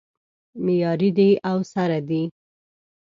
معیاري دی او سره دی